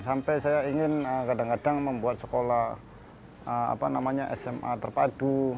sampai saya ingin kadang kadang membuat sekolah sma terpadu